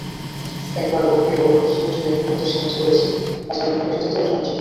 একবার ওকে ওর স্যুট হ্যাক করতে সাহায্য করেছি, তাছাড়া মহাকাশে যেতেও সাহায্য করেছি।